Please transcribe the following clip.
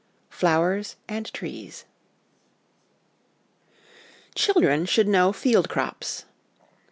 IV. FLOWERS AND TREES Children should know Field crops.